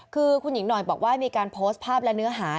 คือคุณหญิงหน่อยบอกว่ามีการโพสต์ภาพและเนื้อหา